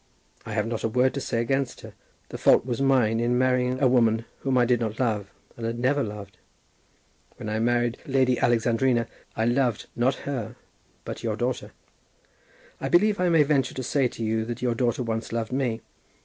I have not a word to say against her. The fault was mine in marrying a woman whom I did not love and had never loved. When I married Lady Alexandrina I loved, not her, but your daughter. I believe I may venture to say to you that your daughter once loved me.